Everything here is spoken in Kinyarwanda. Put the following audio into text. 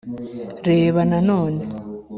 Reba nanone